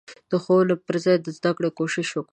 د ښوونې په ځای د زدکړې کوشش وکړي.